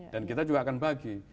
dan kita juga akan bagi